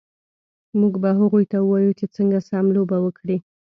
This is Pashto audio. موږ به هغوی ته ووایو چې څنګه سم لوبه وکړي